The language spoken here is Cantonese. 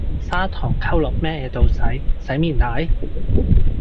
砂糖溝落咩度洗，洗面奶？